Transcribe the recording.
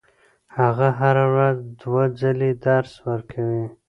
هغه هره ورځ دوه ځلې درس ورکوي.